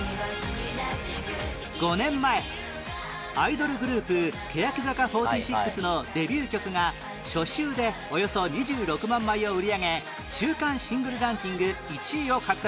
５年前アイドルグループ欅坂４６のデビュー曲が初週でおよそ２６万枚を売り上げ週間シングルランキング１位を獲得